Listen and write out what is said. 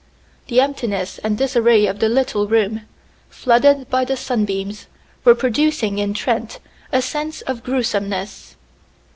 The emptiness and disarray of the little room, flooded by the sunbeams, were producing in Trent a sense of gruesomeness.